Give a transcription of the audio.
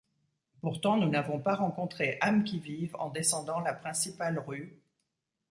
Pourtant, nous n’avons pas rencontré âme qui vive en descendant la principale rue…